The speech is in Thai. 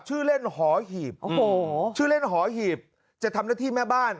ชื่อเล่นหอหีบโอ้โหชื่อเล่นหอหีบจะทำหน้าที่แม่บ้าน